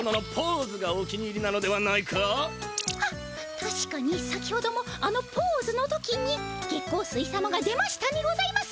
たしかに先ほどもあのポーズの時に月光水様が出ましたにございます。